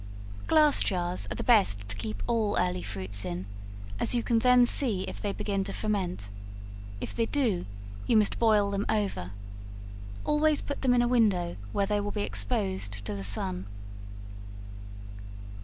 Glass jars are the best to keep all early fruits in, as you can then see if they begin to ferment; if they do, you must boil them over; always put them in a window where they will be exposed to the sun.